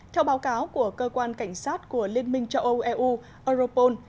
theo báo cáo của cơ quan cảnh sát của liên minh châu âu eu europol